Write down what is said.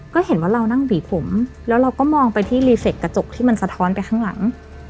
ก็เห็นว่าเรานั่งหวีผมแล้วเราก็มองไปที่รีเซคกระจกที่มันสะท้อนไปข้างหลัง